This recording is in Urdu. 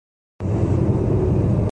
دوسروں کا فائدہ اٹھاتا ہوں